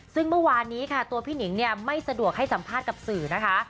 ซึ่งเมื่อวานนี้ค่ะตัวพี่หนิงเนี่ยไม่สะดวกให้สัมภาษณ์กับสื่อนะคะ